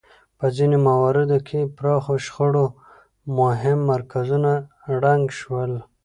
په ځینو مواردو کې پراخو شخړو مهم مرکزونه ړنګ شول.